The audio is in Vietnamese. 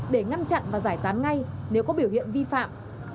để ngăn chặn và giải tán ngay nếu có biểu hiện vi phạm